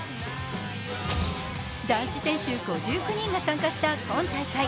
男子選手５９人が参加した今大会。